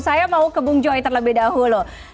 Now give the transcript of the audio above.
saya mau ke bung joy terlebih dahulu